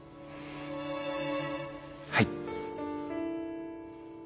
はい。